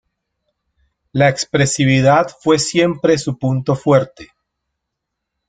La expresividad fue siempre su punto fuerte.